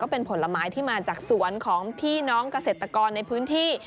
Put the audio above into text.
เป็นผลไม้ที่มาจากสวนของพี่น้องเกษตรกรในพื้นที่